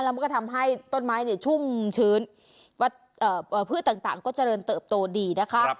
แล้วก็ทำให้ต้นไม้เนี่ยชุ่มชื้นวัดเอ่อพืชต่างต่างก็เจริญเติบโตดีนะคะ